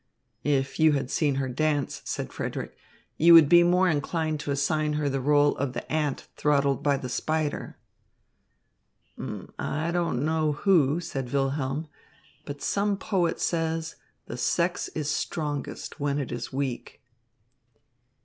"If you had seen her dance," said Frederick, "you would be more inclined to assign her the rôle of the ant throttled by the spider." "I don't know who," said Wilhelm, "but some poet says, the sex is strongest when it is weak."